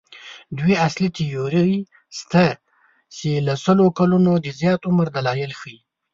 دوې اصلي تیورۍ شته چې له سلو کلونو د زیات عمر دلایل ښيي.